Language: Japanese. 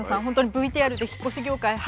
本当にＶＴＲで引っ越し業界